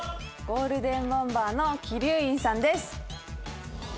ゴールデンボンバーの鬼龍院さんです